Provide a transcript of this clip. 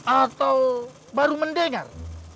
atau baru mendengar